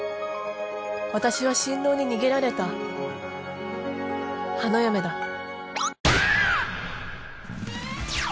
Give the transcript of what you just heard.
私は新郎に逃げられた花嫁だ